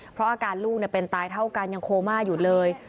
เพราะอาการลูกเป็นตายเท่ากันยังโคม่าอยู่เลย